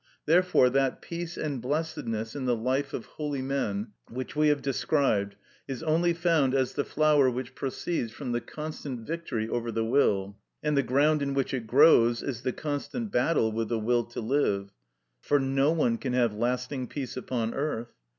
Therefore that peace and blessedness in the life of holy men which we have described is only found as the flower which proceeds from the constant victory over the will, and the ground in which it grows is the constant battle with the will to live, for no one can have lasting peace upon earth.